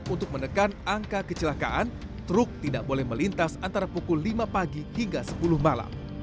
untuk menekan angka kecelakaan truk tidak boleh melintas antara pukul lima pagi hingga sepuluh malam